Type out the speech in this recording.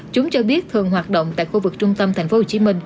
chúng cho biết thường hoạt động tại khu vực trung tâm tp hcm